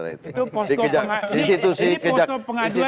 itu posko pengaduan